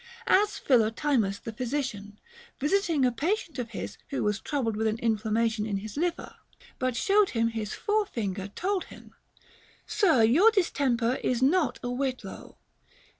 As Philo timus the physician, visiting a patient of his who was troubled with an inflammation in his liver, but showed him his forefinger, told him : Sir, your distemper is not a whitlow.